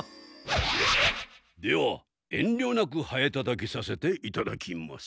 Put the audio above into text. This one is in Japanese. では遠りょなくハエたたきさせていただきます。